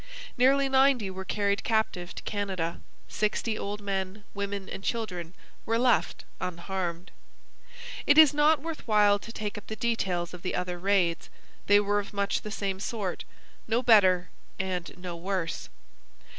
Nearly ninety were carried captive to Canada. Sixty old men, women, and children were left unharmed. It is not worth while to take up the details of the other raids. They were of much the same sort no better and no worse.